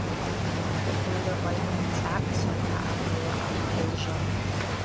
ХӀедирули гъай имцӀякь, сарха гӀямрула алжан.